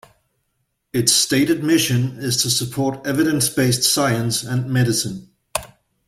Its stated mission is to support evidence-based science and medicine.